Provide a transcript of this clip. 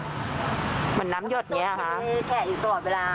เหมือนน้ำหยดอยู่ตลอดเวลา